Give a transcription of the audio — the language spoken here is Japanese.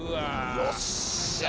よっしゃ！